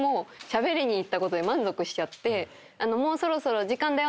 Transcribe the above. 「もうそろそろ時間だよ